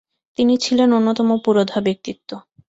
তিনি ছিলেন অন্যতম পুরোধা ব্যক্তিত্ব।